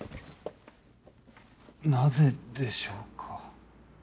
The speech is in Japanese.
なぜでしょうか？